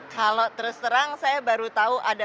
kalau terus terang saya baru tahu ada